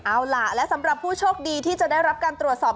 เอาล่ะและสำหรับผู้โชคดีที่จะได้รับการตรวจสอบ